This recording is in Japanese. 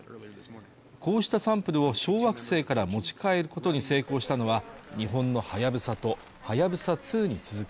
こうしたサンプルを小惑星から持ち帰ることに成功したのは日本の「はやぶさ」と「はやぶさ２」に続く